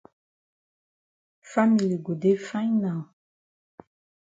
Family go dey fine now.